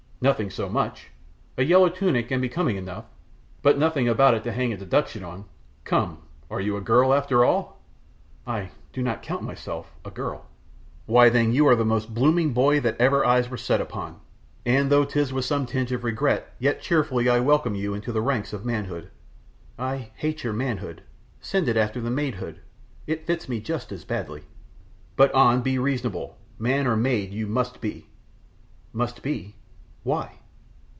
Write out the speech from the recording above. "Nothing so much; a yellow tunic and becoming enough, but nothing about it to hang a deduction on. Come! Are you a girl, after all?" "I do not count myself a girl." "Why, then, you are the most blooming boy that ever eyes were set upon; and though 'tis with some tinge of regret, yet cheerfully I welcome you into the ranks of manhood." "I hate your manhood, send it after the maidhood; it fits me just as badly." "But An, be reasonable; man or maid you must be." "Must be; why?"